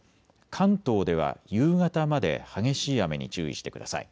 関東では夕方まで激しい雨に注意してください。